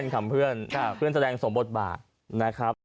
ทำเพื่อนเพื่อนแสดงสมบทบาทนะครับ